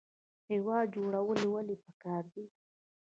هیواد جوړول ولې پکار دي؟